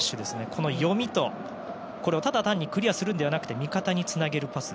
この読みとただ単にクリアするのではなくて味方につなげるパス。